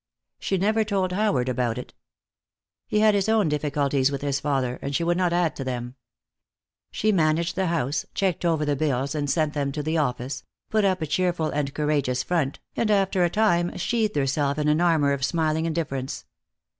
She never told Howard about it. He had his own difficulties with his father, and she would not add to them. She managed the house, checked over the bills and sent them to the office, put up a cheerful and courageous front, and after a time sheathed herself in an armor of smiling indifference.